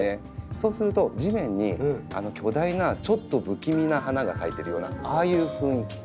そうすると地面に巨大なちょっと不気味な花が咲いてるようなああいう雰囲気に。